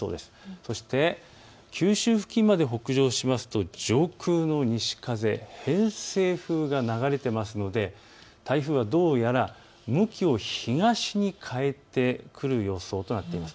そして九州付近まで北上しますと上空の西風、偏西風が流れていますので台風はどうやら向きを東に変えてくる予想となっています。